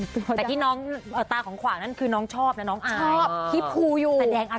ขอมองให้ชื่นใจหน่อยนะคะ